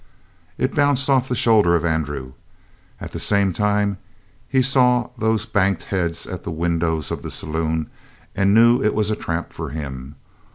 It bounced off the shoulder of Andrew. At the same time he saw those banked heads at the windows of the saloon, and knew it was a trap for him.